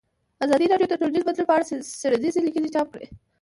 ازادي راډیو د ټولنیز بدلون په اړه څېړنیزې لیکنې چاپ کړي.